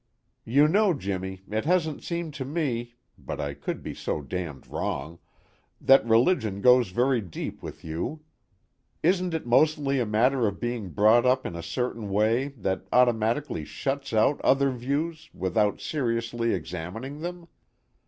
"You know, Jimmy, it hasn't seemed to me (but I could be so damned wrong!) that religion goes very deep with you. Isn't it mostly a matter of being brought up in a certain way that automatically shuts out other views without seriously examining them?